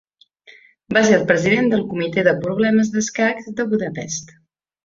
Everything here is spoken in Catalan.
Va ser el president del Comitè de problemes d'escacs de Budapest.